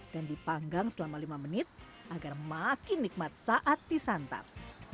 dan dipanggang selama lima menit agar makin nikmat saat disantap